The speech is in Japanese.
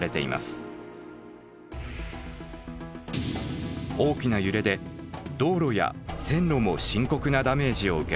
大きな揺れで道路や線路も深刻なダメージを受けます。